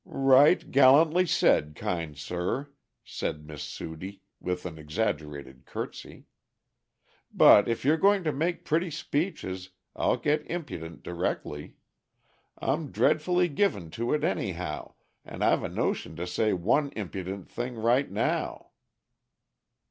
"Right gallantly said, kind sir," said Miss Sudie, with an exaggerated curtsy. "But if you're going to make pretty speeches I'll get impudent directly. I'm dreadfully given to it anyhow, and I've a notion to say one impudent thing right now."